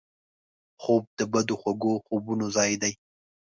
خوب د بدو خوږو خوبونو ځای دی